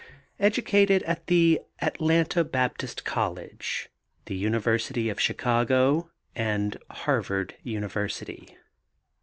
Educated at the Atlanta Baptist College, the University of Chicago and Harvard University.